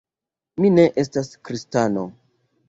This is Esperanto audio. Mi ne estas kristano.